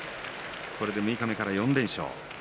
これで六日目から４連勝。